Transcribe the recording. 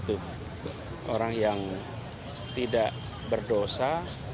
kita harus berharap orang yang tidak berdosa